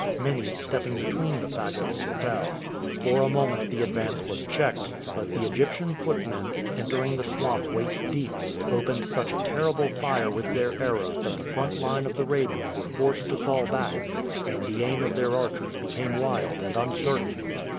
Many, stepping between the fagots, fell. For a moment the advance was checked, but the Egyptian footmen, entering the swamp waist deep, opened such a terrible fire with their arrows that the front line of the Rebu were forced to fall back, and the aim of their archers became wild and uncertain.